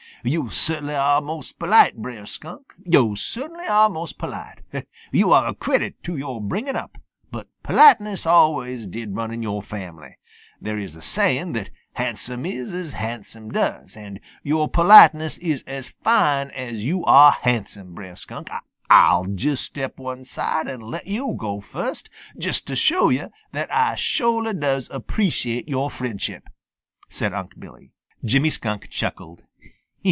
"Yo' cert'nly are most polite, Brer Skunk. Yo' cert'nly are most polite. Yo' are a credit to your bringing up, but politeness always did run in your family. There is a saying that han'some is as han'some does, and your politeness is as fine as yo' are han'some, Brer Skunk. Ah'll just step one side and let yo' go first just to show that Ah sho'ly does appreciate your friendship," said Unc' Billy. Jimmy Skunk chuckled.